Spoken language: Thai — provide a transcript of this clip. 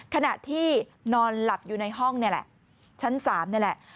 ขณะที่นอนหลับอยู่ในห้องนี่แหละชั้น๓นี่แหละ